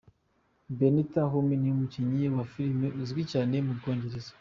Benita Hume ni umukinnyi wa filime uzwi cyane mu Bwongereza.